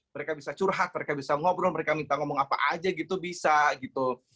mereka bisa curhat mereka bisa ngobrol mereka minta ngomong apa aja gitu bisa gitu